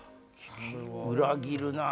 裏切るなぁ。